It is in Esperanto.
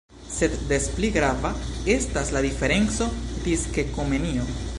Sed des pli grava estas la diferenco disde Komenio.